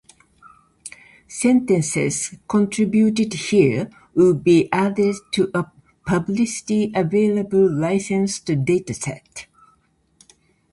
Sentences contributed here will be added to a publicly available licensed dataset.